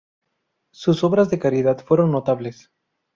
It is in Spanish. Sus obras de caridad fueron notables.